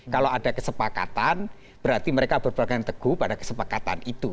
kalau ada kesepakatan berarti mereka berpegang teguh pada kesepakatan itu